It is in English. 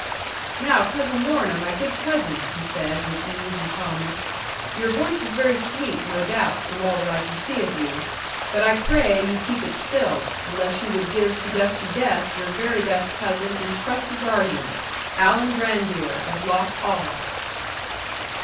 '"Now, Cousin Lorna, my good cousin," he said, with ease and calmness; "your voice is very sweet, no doubt, from all that I can see of you. But I pray you keep it still, unless you would give to dusty death your very best cousin and trusty guardian, Alan Brandir of Loch Awe."